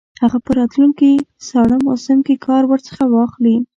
هغه په راتلونکي ساړه موسم کې کار ورڅخه واخلي.